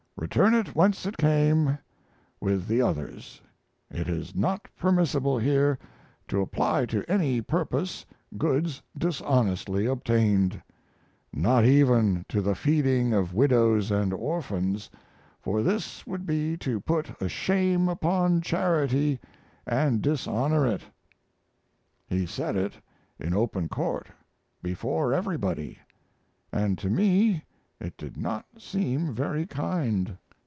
Return it whence it came, with the others. It is not permissible here to apply to any purpose goods dishonestly obtained; not even to the feeding of widows and orphans, for this would be to put a shame upon charity and dishonor it." He said it in open court, before everybody, and to me it did not seem very kind.